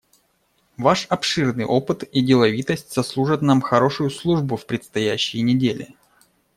Ваш обширный опыт и деловитость сослужат нам хорошую службу в предстоящие недели.